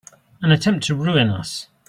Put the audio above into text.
An attempt to ruin us!